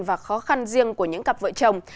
và khó khăn riêng của những cặp vợ chồng